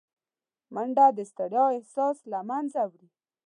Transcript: منډه د ستړیا احساس له منځه وړي